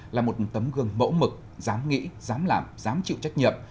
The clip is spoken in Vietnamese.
là một tấm gương mẫu mực dám nghĩ dám làm dám chịu trách nhiệm